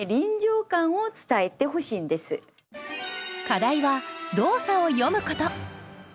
課題は動作を詠むこと。